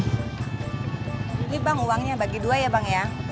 ini bang uangnya bagi dua ya bang ya